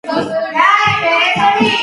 მდებარეობს ჩერნოვცის ოლქის კელმენცის რაიონში.